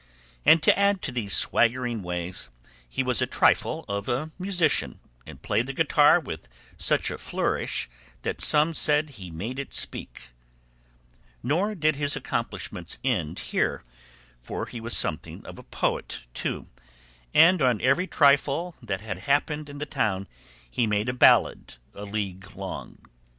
And to add to these swaggering ways he was a trifle of a musician, and played the guitar with such a flourish that some said he made it speak; nor did his accomplishments end here, for he was something of a poet too, and on every trifle that happened in the town he made a ballad a league long.